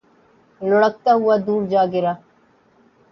لڑھکتا ہوا دور جا گرا